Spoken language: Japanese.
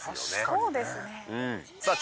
そうですねさあ